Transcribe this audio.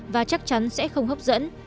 và chắc chắn sẽ không hấp dẫn